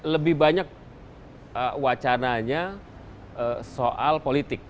lebih banyak wacananya soal politik